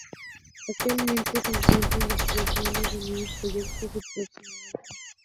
Actualmente se encuentra en la creaciones de nuevos proyectos y próximo Álbum.